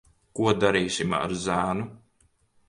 Ko darīsim ar zēnu?